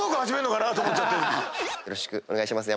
よろしくお願いします。